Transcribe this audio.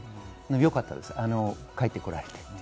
よかったです、帰ってこられて。